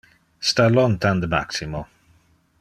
Sta lontan de Maximo.